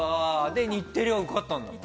日テレは受かったんだ。